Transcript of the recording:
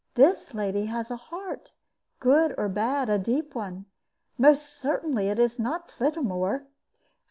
This lady had a heart good or bad, a deep one. Most certainly it is not Flittamore."